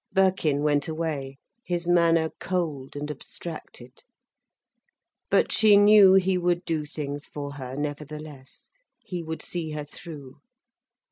Birkin went away, his manner cold and abstracted. But she knew he would do things for her, nevertheless, he would see her through.